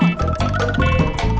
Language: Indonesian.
tidak itu tidak baik